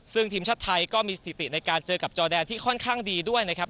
ซึ่งทีมชาติไทยก็มีสถิติในการเจอกับจอแดนที่ค่อนข้างดีด้วยนะครับ